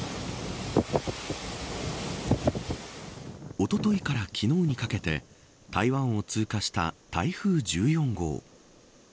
おとといから昨日にかけて台湾を通過した台風１４号。